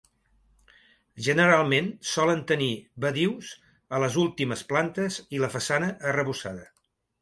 Generalment solen tenir badius a les últimes plantes i la façana arrebossada.